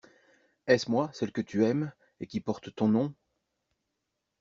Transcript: Est-ce moi, celle que tu aimes et qui porte ton nom?